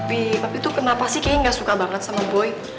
bi papi tuh kenapa sih kayaknya gak suka banget sama boy